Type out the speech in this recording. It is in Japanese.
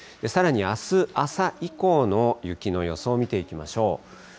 さらにあす朝以降の雪の予想見ていきましょう。